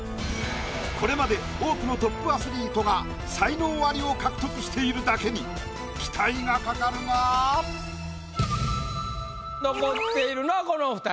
これまで多くのトップアスリートが才能アリを獲得しているだけに期待がかかるが⁉残っているのはこのお二人。